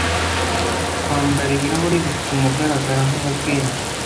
Kwambara ibirahuri bituma ugaragara nkubwenge.